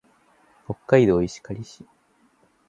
北海道石狩市